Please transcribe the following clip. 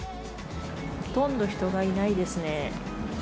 ほとんど人がいないですね。